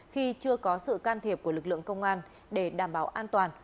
khi chưa có sự can thiệp của lực lượng công an để đảm bảo an toàn